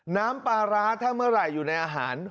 น้ำปลาร้าถ้าเมื่อไหร่อยู่ในอาหาร